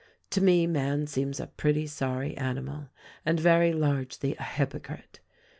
To me, man seems a pretty sorry animal, — and very largely a hypocrite.